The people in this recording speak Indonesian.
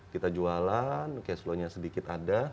kita jualan cashflow nya sedikit ada